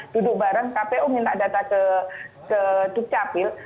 duduk bareng kpu minta data ke duk capil